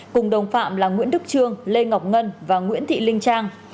cùng đồng phạm là nguyễn đức trương lê ngọc ngân và nguyễn thị linh trang